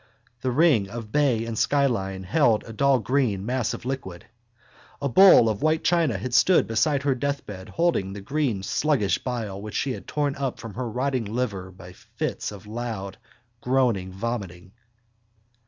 The ring of bay and skyline held a dull green mass of liquid. A bowl of white china had stood beside her deathbed holding the green sluggish bile which she had torn up from her rotting liver by fits of loud groaning vomiting.